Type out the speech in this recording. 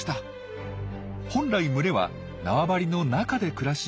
本来群れは縄張りの中で暮らし